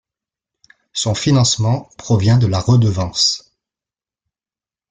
Son financement provient de la redevance.